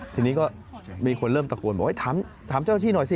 ทีนี้ก็มีคนเริ่มตะโกนบอกว่าถามเจ้าหน้าที่หน่อยสิ